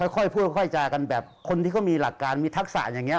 ค่อยพูดค่อยจากันแบบคนที่เขามีหลักการมีทักษะอย่างนี้